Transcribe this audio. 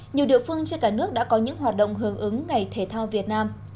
nhiều địa phương trên cả nước đã có những hoạt động hưởng ứng ngày thể thao việt nam